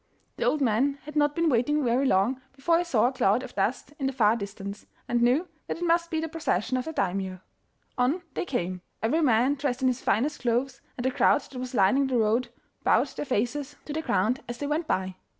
The old man had not been waiting very long before he saw a cloud of dust in the far distance, and knew that it must be the procession of the Daimio. On they came, every man dressed in his finest clothes, and the crowd that was lining the road bowed their faces to the ground as they went by.